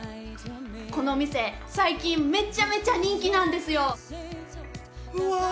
この店最近めちゃめちゃ人気なんですよ！